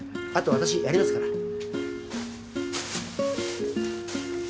あとは私やりますから。